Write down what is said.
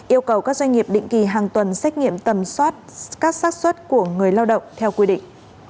yêu cầu các doanh nghiệp định kỳ hàng tuần xét nghiệm tầm soát các sát xuất của người lao động theo quy định